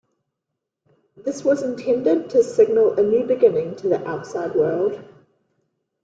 This was intended to signal a new beginning to the outside world.